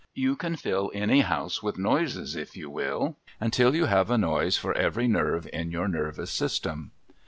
You can fill any house with noises, if you will, until you have a noise for every nerve in your nervous system.